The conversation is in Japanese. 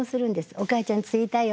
「おかあちゃん着いたよ」